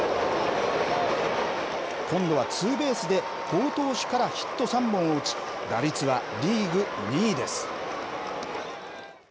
今度はツーベースで好投手からヒット３本を打ち、打率はリーグ２位です。